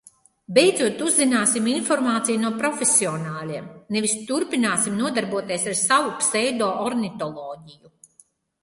Beidzot uzzināsim informāciju no profesionāļiem, nevis turpināsim nodarboties ar savu pseido ornitoloģiju.